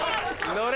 乗れ。